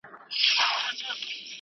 د خوند او بوی کچه یې هم اندازه کېږي.